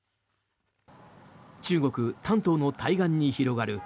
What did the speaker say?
中国・丹東の対岸に広がる